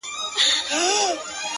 د هغه هر وخت د ښکلا خبر په لپه کي دي؛